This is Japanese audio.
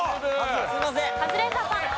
カズレーザーさん。